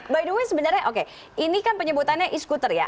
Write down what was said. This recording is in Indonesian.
by the way sebenarnya oke ini kan penyebutannya e scooter ya